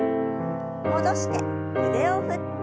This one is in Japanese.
戻して腕を振って。